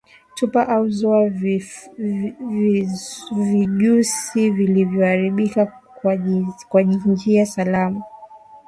Tupa au zoa vijusi vilivyoharibika kwa njia salama